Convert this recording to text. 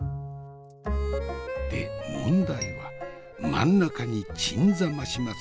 で問題は真ん中に鎮座まします